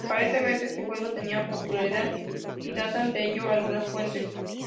Aparentemente este juego tenía popularidad, y datan de ello algunas fuentes.